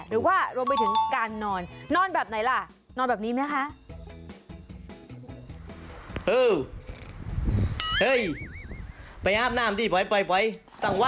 หรือว่ารวมไปถึงการนอนนอนแบบไหนล่ะนอนแบบนี้ไหมคะ